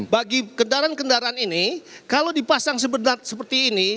bagi kendaraan kendaraan ini kalau dipasang seberat seperti ini